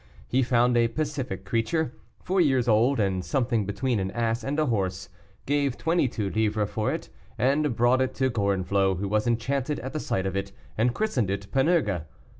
He found a pacific creature, four years old, and something between an ass and a horse; gave twenty two livres for it, and brought it to Gorenflot, who was enchanted at the sight of it, and christened it Panurge.